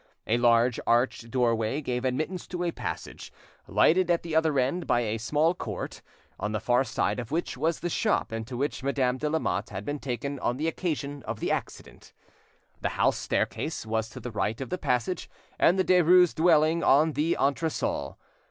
A large arched doorway gave admittance to a passage, lighted at the other end by a small court, on the far side of which was the shop into which Madame de Lamotte had been taken on the occasion of the accident. The house staircase was to the right of the passage; and the Derues' dwelling on the entresol.